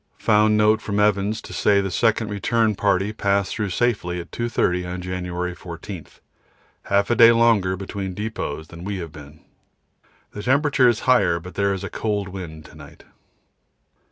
Found note from Evans to say the second return party passed through safely at 2.30 on January 14 half a day longer between depots than we have been. The temperature is higher, but there is a cold wind to night.